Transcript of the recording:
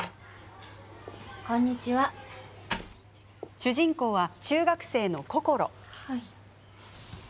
主人公は中学生のこころ。